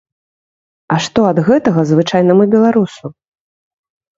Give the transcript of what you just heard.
А што ад гэтага звычайнаму беларусу?